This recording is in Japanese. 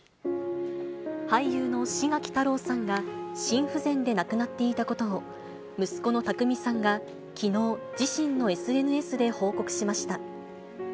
俳優の志垣太郎さんが心不全で亡くなっていたことを息子の匠さんがきのう、自身のＳＮＳで報告しました。